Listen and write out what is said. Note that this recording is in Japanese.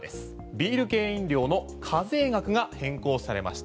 ビール系飲料の課税額が変更されました。